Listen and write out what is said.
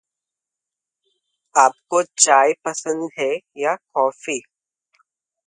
आपको चाय पसंद है या कॉफ़ी?